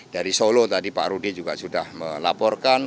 dari solo tadi pak rudy juga sudah melaporkan